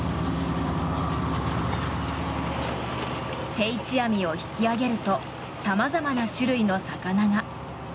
定置網を引き上げると様々な種類の魚が。